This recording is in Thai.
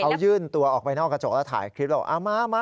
เขายื่นตัวออกไปนอกกระจกแล้วถ่ายคลิปแล้วมา